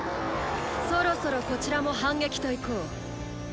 そろそろこちらも「反撃」といこう。